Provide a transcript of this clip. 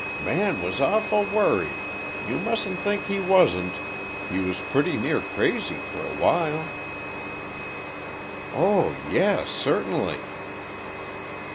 "Man was awful worried; you mustn't think he wasn't. He was pretty near crazy, for a while." "Oh, yes, certainly."